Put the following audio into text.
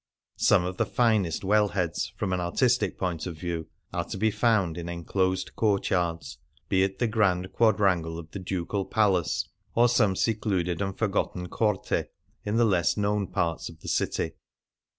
Some of the finest well heads, from an artistic point of view, are to be found in enclosed courtyards, be it the grand quadrangle of the Ducal Palace or some secluded and forgotten corte in the less known parts of the city.